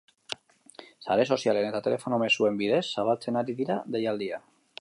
Sare sozialen eta telefono mezuen bidez zabaltzen ari dira deialdia.